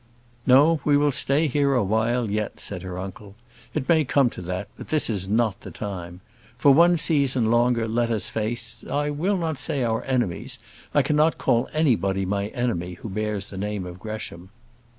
"No, we will stay a while yet," said her uncle. "It may come to that, but this is not the time. For one season longer let us face I will not say our enemies; I cannot call anybody my enemy who bears the name of Gresham."